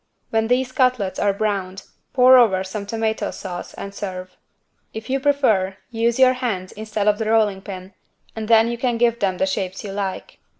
When these cutlets are browned, pour over some tomato sauce and serve. If you prefer, use your hands instead of the rolling pin and then you can give them the shapes you like.